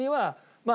まあ